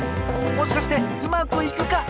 もしかしてうまくいくか！？